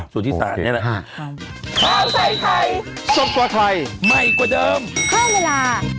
สู่ที่ศาลนี้แหละ